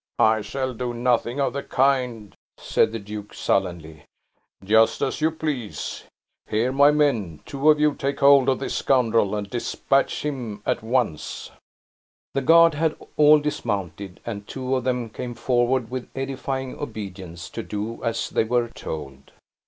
"I shall do nothing of the kind," said the duke, sullenly. "Just as you please. Here, my men, two of you take hold of this scoundrel, and dispatch him at once." The guard had all dismounted; and two of them came forward with edifying obedience, to do as they were told.